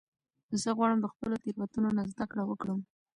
زه غواړم د خپلو تیروتنو نه زده کړه وکړم.